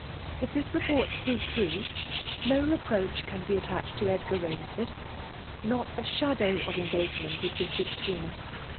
If this report prove take, no reproach can be attached to Edgar Baim . Md. Not a shadow of engagement exiatld between us.